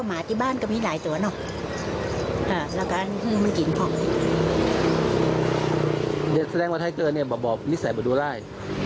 หัวหน้าพวกไทเกอร์นี่แบบบอกว่าดูหลาย